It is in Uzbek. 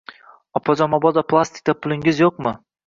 Opajon, mabodo plastikda pulingiz yoʻqmi?